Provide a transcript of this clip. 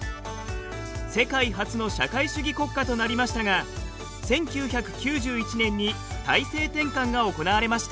世界初の社会主義国家となりましたが１９９１年に体制転換が行われました。